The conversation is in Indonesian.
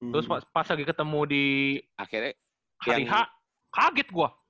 terus pas lagi ketemu di hari h kaget gua